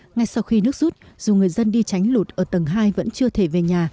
ngay sau khi nước rút dù người dân đi tránh lụt ở tầng hai vẫn chưa thể về nhà